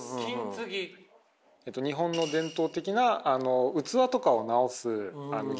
日本の伝統的な器とかを直す技術ですね。